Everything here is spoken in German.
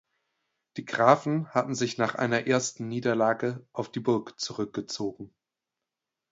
Die Grafen hatten sich nach einer ersten Niederlage auf die Burg zurückgezogen.